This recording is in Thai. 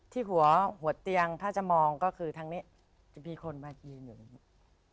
ที่หัวเตียงถ้าจะมองก็คือทางนี้จะมีคนมายืนอยู่อย่างนี้